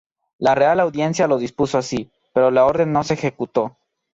La Real Audiencia lo dispuso así, pero la orden no se ejecutó.